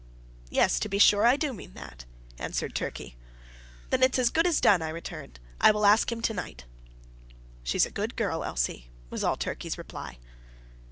"Yes, to be sure, I do mean that," answered Turkey. "Then it's as good as done," I returned. "I will ask him to night." "She's a good girl, Elsie," was all Turkey's reply.